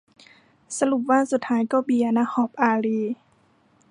สรุปว่าสุดท้ายก็เบียร์ ณ ฮ็อบส์ อารีย์